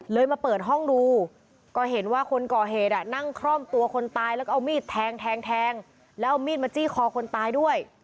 มาเปิดห้องดูก็เห็นว่าคนก่อเหตุนั่งคล่อมตัวคนตายแล้วก็เอามีดแทงแทงแล้วเอามีดมาจี้คอคนตายด้วย